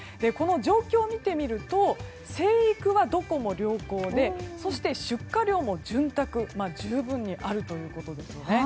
この状況を見てみると生育はどこも良好でそして、出荷量も潤沢で十分にあるということです。